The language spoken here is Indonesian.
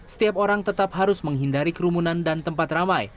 setiap orang tetap harus menghindari kerumunan dan tempat ramai